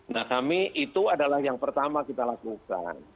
nah kami itu adalah yang pertama kita lakukan